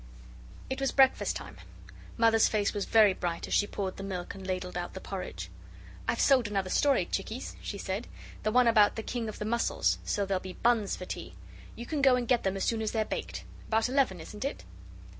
It was breakfast time. Mother's face was very bright as she poured the milk and ladled out the porridge. "I've sold another story, Chickies," she said; "the one about the King of the Mussels, so there'll be buns for tea. You can go and get them as soon as they're baked. About eleven, isn't it?"